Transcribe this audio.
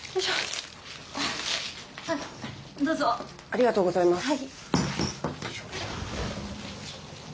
ありがとうございます。